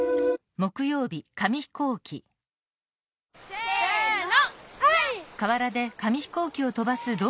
せの！